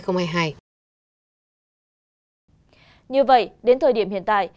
như vậy đến thời điểm hiện tại